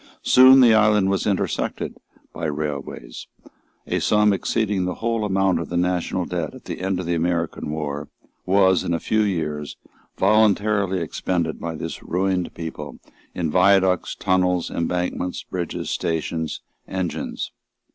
Soon the island was intersected by railways. A sum exceeding the whole amount of the national debt at the end of the American war was, in a few years, voluntarily expended by this ruined people in viaducts, tunnels, embankments, bridges, stations, engines.